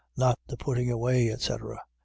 Not the putting away, etc. ..